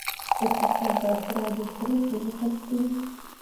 اقتصاد د افرادو پریکړې مطالعه کوي.